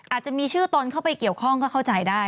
อาจจะมีชื่อตนเข้าไปเกี่ยวข้องก็เข้าใจได้